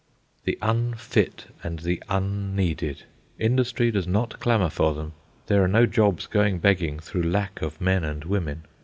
The unfit and the unneeded! Industry does not clamour for them. There are no jobs going begging through lack of men and women.